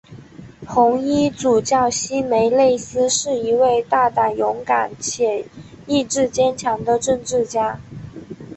红衣主教希梅内斯是一位大胆勇敢且意志坚强的政治家。